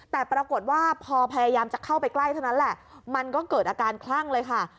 แต่ปรากฏว่าพอพยายามจะเข้าไปใกล้เท่านั้นแหละมันก็เกิดอาการคลั่งเลยค่ะ